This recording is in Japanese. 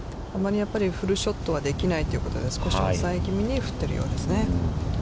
やっぱりフルショットはできないということで少し抑えぎみに振っているようですね。